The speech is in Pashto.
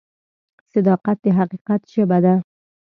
صداقت د حقیقت ژبه ده.